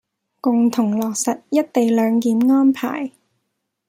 共同落實「一地兩檢」安排